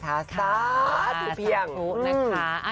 สาธุเพียง